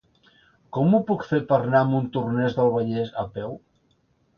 Com ho puc fer per anar a Montornès del Vallès a peu?